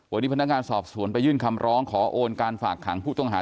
วันนี้พนักงานสอบสวนไปยื่นคำร้องขอโอนการฝากขังผู้ต้องหา